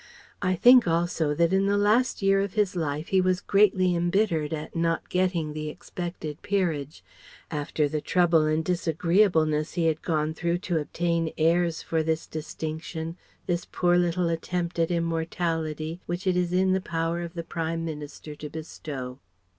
I think also that in the last year of his life he was greatly embittered at not getting the expected peerage; after the trouble and disagreeableness he had gone through to obtain heirs for this distinction this poor little attempt at immortality which it is in the power of a Prime Minister to bestow.